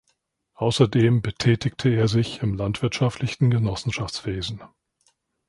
Außerdem betätigte er sich im landwirtschaftlichen Genossenschaftswesen.